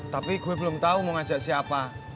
tapi gue belum tahu mau ngajak siapa